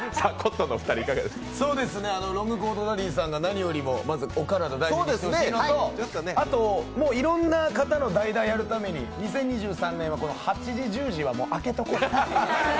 ロングコートダディさんが何よりお体大事にしてほしいのとあともういろんな方の代打やるために２０２３年は８時、１０時は空けとこ。